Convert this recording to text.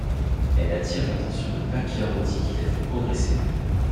Elle attire l'attention de Pacchiarotti qui la fait progresser.